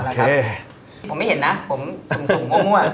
ผมไม่เห็นนะผมสุ่มก็มั่ว